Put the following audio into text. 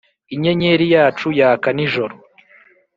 inyenyeri yacu yaka nijoro